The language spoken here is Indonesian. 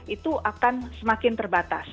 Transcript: itu akan semakin terbatas